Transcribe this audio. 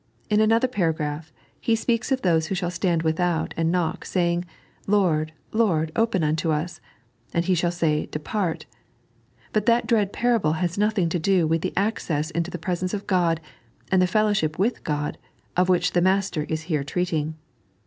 In another paragraph He speaks of those who shall stand without and knock, saying, " Lord, Lord, open unto us," and He shaJl say, " Depart "; but that dread parable has nothing to do with the access into the presence of God, and the fellowship with God, of which the Ma.ster is here treating.